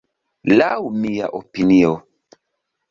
Laŭ mia opinio.